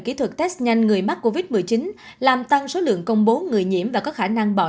kỹ thuật test nhanh người mắc covid một mươi chín làm tăng số lượng công bố người nhiễm và có khả năng bỏ